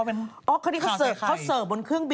อ๋อคนนี้เขาเสิร์ฟบนเครื่องบิน